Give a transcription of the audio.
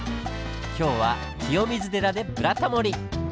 今日は清水寺で「ブラタモリ」！